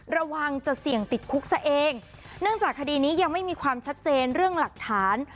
ระวังจะเสี่ยงติดคุกซะเองเนื่องจากคดีนี้ยังไม่มีความชัดเจนเรื่องหลักฐาน